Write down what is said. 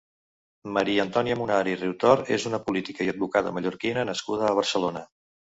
Maria Antònia Munar i Riutort és una política i advocada mallorquina nascuda a Barcelona.